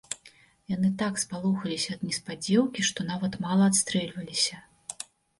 Яны так спалохаліся ад неспадзеўкі, што нават мала адстрэльваліся.